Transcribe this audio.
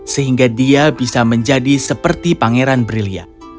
sehingga dia bisa menjadi seperti pangeran brilia